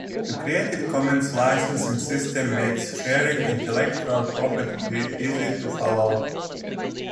The creative commons licensing system makes sharing intellectual property easy to follow.